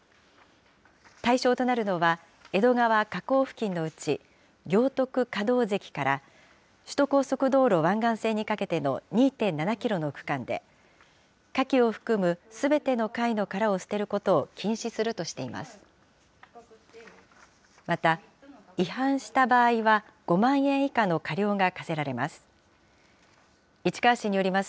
対象となるのは、江戸川河口付近のうち、行徳可動堰から首都高速道路湾岸線にかけての２．７キロの区間で、かきを含むすべての貝の殻を捨てることを禁止するとしています。